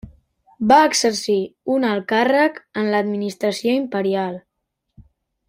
Va exercir un alt càrrec en l'administració imperial.